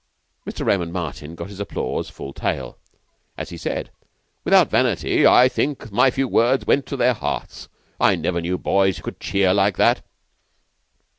Mr. Raymond Martin got his applause full tale. As he said, "Without vanity, I think my few words went to their hearts. I never knew boys could cheer like that."